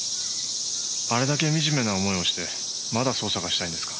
あれだけ惨めな思いをしてまだ捜査がしたいんですか？